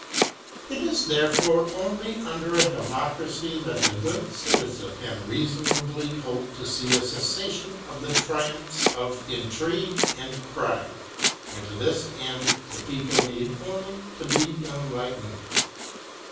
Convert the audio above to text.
It is, therefore, only under a democracy that the good citizen can reasonably hope to see a cessation of the tri umphs of intrigue and crime; and to this end the people need only to be enlightened.